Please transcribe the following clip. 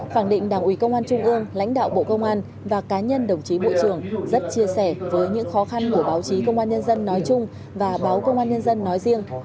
khẳng định đảng ủy công an trung ương lãnh đạo bộ công an và cá nhân đồng chí bộ trưởng rất chia sẻ với những khó khăn của báo chí công an nhân dân nói chung và báo công an nhân dân nói riêng